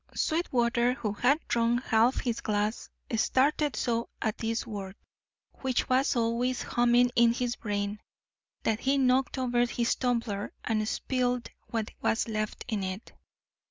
Sweetwater, who had drunk half his glass, started so at this word, which was always humming in his brain, that he knocked over his tumbler and spilled what was left in it.